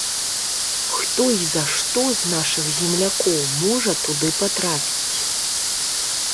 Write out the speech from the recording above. Хто і за што з нашых землякоў можа туды патрапіць?